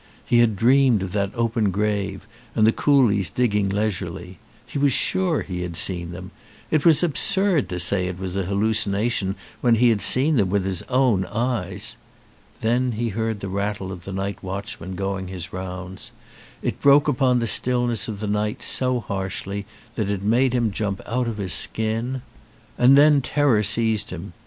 He had dreamed of that open grave and the coolies digging leisurely. He was sure he had seen them. It was absurd to say it was an hallucination when he had seen them with his own eyes. Then he heard the rattle of the night watchman going his rounds. It broke upon the stillness of the night so harshly that it made him jump out of his skin. And then terror seized him.